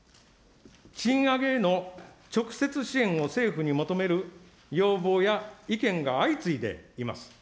賃上げへの直接支援を政府に求める要望や意見が相次いでいます。